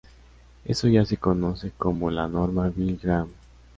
Eso ya se conoce como la Norma Billy Graham.